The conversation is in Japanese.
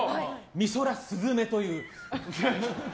美空すずめという。